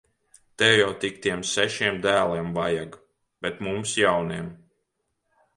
Tev jau tik tiem sešiem dēliem vajag! Bet mums jauniem.